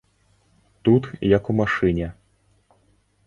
Тут, як у машыне.